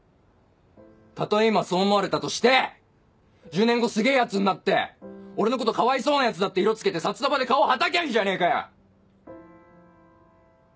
たとえ今そう思われたとして１０年後すげぇヤツんなって俺のことかわいそうなヤツだって色つけて札束で顔はたきゃいいじゃねえかよ！